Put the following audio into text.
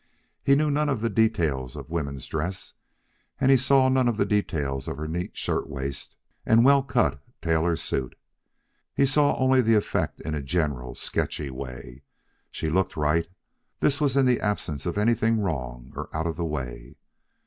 He knew none of the details of women's dress, and he saw none of the details of her neat shirt waist and well cut tailor suit. He saw only the effect in a general, sketchy way. She looked right. This was in the absence of anything wrong or out of the way.